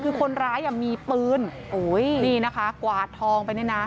คือคนร้ายมีปืนดีนะคะกวาดทองไปด้วยนะ